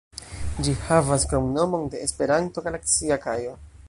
Ĝi havas kromnomon de Esperanto, "Galaksia Kajo".